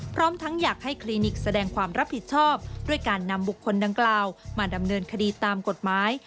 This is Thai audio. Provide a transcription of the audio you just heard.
พร้อมทั้งอยากให้คลินิกแสดงความรับผิดชอบด้วยการนำบุคคลดังกล่าวมาดำเนินคดีตามกฎหมาย